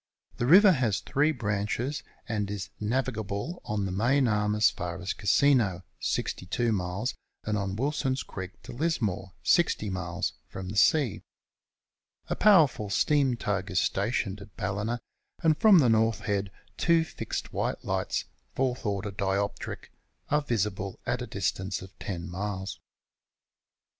The river has three branches, and is navigable on the main arm as far as Casino, 62 miles, and on Wilson's Creek to Lismore, 60 miles, from the sea. A powerful steam tug is stationed at Ballina, and from the North Head, 2 fixed white lights, fourth order dioptric, are visible at a distance of 10 miles.